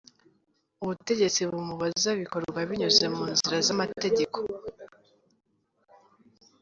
ubutegetsi bumubaza bikorwa binyuze mu nzira z’amategeko.